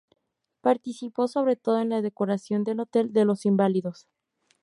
Participó sobre todo en la decoración del Hotel de los Inválidos.